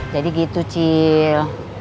jadi gitu cil